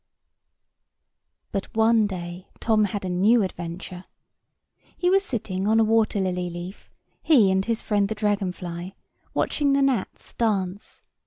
But one day Tom had a new adventure. He was sitting on a water lily leaf, he and his friend the dragon fly, watching the gnats dance.